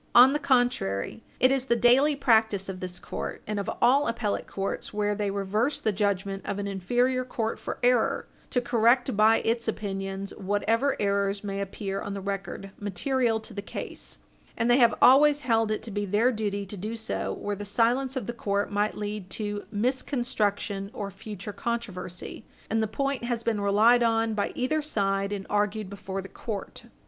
On the contrary, it is the daily practice of this court, and of all appellate courts where they reverse the judgment of an inferior court for error, to correct by its opinions whatever errors may appear on the record material to the case, and they have always held it to be their duty to do so where the silence of the court might lead to misconstruction or future controversy and the point has been relied on by either side and argued before the court.